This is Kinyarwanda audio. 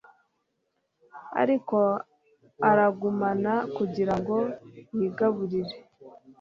Ariko aragumana kugira ngo yigaburire